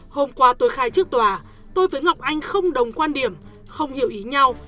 hôm qua tôi khai trước tòa tôi với ngọc anh không đồng quan điểm không hiểu ý nhau